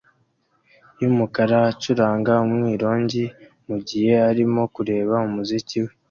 yumukara acuranga umwironge mugihe arimo kureba umuziki we